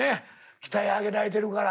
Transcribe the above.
鍛え上げられてるから。